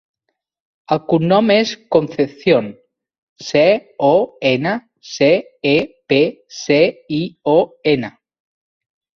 El cognom és Concepcion: ce, o, ena, ce, e, pe, ce, i, o, ena.